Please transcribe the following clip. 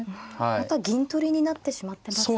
また銀取りになってしまってますね。